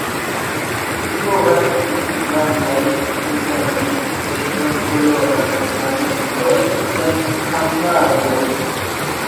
Vi povas vidi grandajn kunvenojn de rozkoloraj flamengoj en Kamargo.